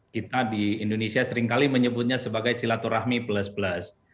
kita di indonesia seringkali menyebutnya sebagai silaturahmi plus plus